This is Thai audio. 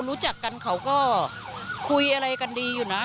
รู้จักกันเขาก็คุยอะไรกันดีอยู่นะ